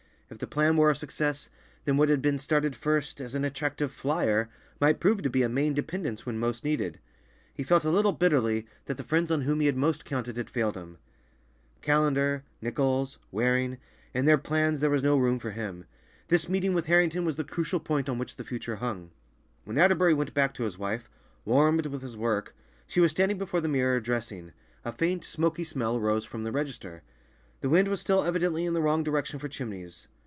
If the plan were a success, then what had been started first as an attractive "flyer" might prove to be a main dependence when most needed. He felt a little bitterly that the friends on whom he had most counted had failed him. Callender—Nichols—Waring—in their plans there was no room for him. This meeting with Harrington was the crucial point on which the future hung. When Atterbury went back to his wife, warmed with his work, she was standing before the mirror, dressing; a faint, smoky smell arose from the register. The wind was still evidently in the wrong direction for chimneys.